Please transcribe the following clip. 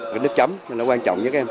cái nét chấm nó quan trọng nhất em